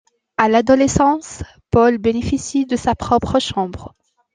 À l'adolescence, Paul bénéficie de sa propre chambre.